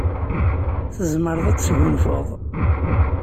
Tzemreḍ ad tesgunfuḍ.